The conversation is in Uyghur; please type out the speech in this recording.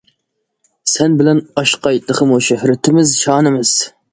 سەن بىلەن ئاشقاي تېخىمۇ شۆھرىتىمىز، شانىمىز.